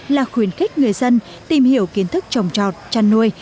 là khuyến khích người dân tìm hiểu kiến thức trồng trọt chăn nuôi